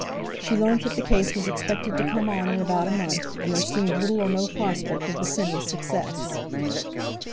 She learnt that the case was expected to come on in about a month, and there seemed little or no prospect of Bosinney's success.